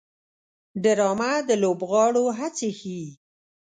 ډرامه د لوبغاړو هڅې ښيي